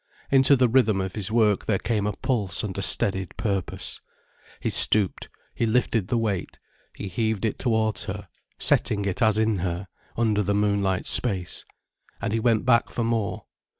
Into the rhythm of his work there came a pulse and a steadied purpose. He stooped, he lifted the weight, he heaved it towards her, setting it as in her, under the moonlit space. And he went back for more.